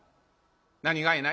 「何がいな？」。